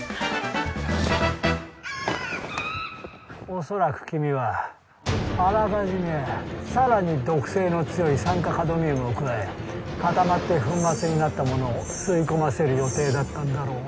おそらく君はあらかじめさらに毒性の強い酸化カドミウムを加え固まって粉末になったものを吸い込ませる予定だったんだろう。